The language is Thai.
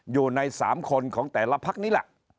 อยู่ใน๓คนของแต่ละพักนี้ล่ะ